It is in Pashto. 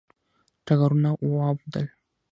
ټغرونه واوبدل